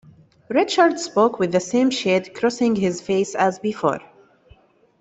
Richard spoke with the same shade crossing his face as before.